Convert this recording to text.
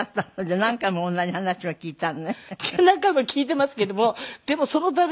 何回も聞いていますけどもでもその度に。